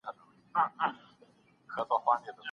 املا د زده کړي یوه اسانه او اغېزناکه لاره ده.